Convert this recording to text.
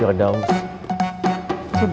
hanya untuk soprattutto sepeda